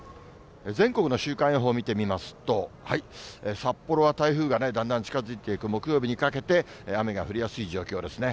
全国の週間予報見てみますと、札幌は台風がね、だんだん近づいていて、木曜日にかけて雨が降りやすい状況ですね。